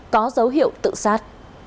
có dấu hiệu tự sát